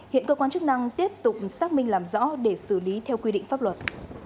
hiện cơ quan chức năng tiếp tục xác minh làm rõ để xử lý theo quy định pháp luật